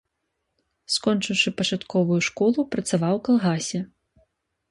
Скончыўшы пачатковую школу, працаваў у калгасе.